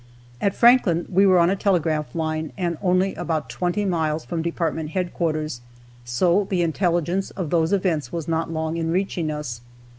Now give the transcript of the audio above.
At Franklin we were on a telegraph line, and only about twenty miles from department headquarters, so the intelligence of those events was not long in reaching us.